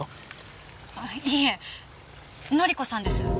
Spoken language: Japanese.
いいえ典子さんです。